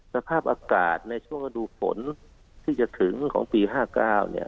สภาพอากาศในช่วงฤดูฝนที่จะถึงของปี๕๙เนี่ย